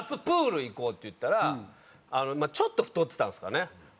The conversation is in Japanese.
プール行こうって言ったらちょっと太ってたんですかね。